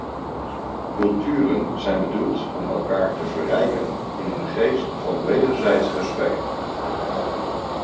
Culturen zijn bedoeld om elkaar te verrijken in een geest van wederzijds respect.